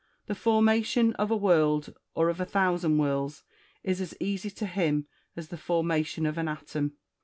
The formation of a world, or of a thousand worlds, is as easy to him as the for mation of an atom.